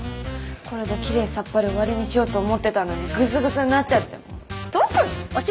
これできれいさっぱり終わりにしようと思ってたのにぐずぐずになっちゃってもうどうすんの。